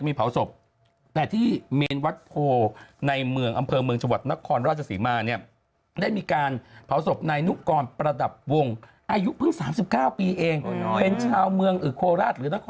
๕มิติเป็นอย่างไรแน่ะ